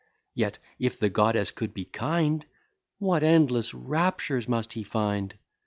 Yet, if the goddess could be kind, What endless raptures must he find!